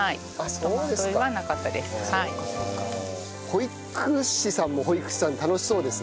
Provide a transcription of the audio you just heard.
保育士さんも保育士さんで楽しそうですね。